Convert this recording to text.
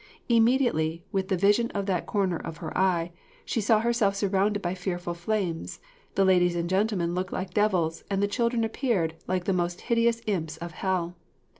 Immediately, with the vision of that corner of her eye, she saw herself surrounded by fearful flames; the ladies and gentlemen looked like devils, and the children appeared like the most hideous imps of hell.